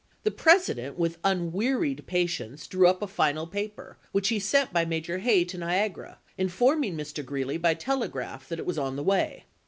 The President, with unwearied patience, drew up a final paper, which he sent by Major Hay to Niagara, informing Mr. Greeley by telegraph that it was on the way.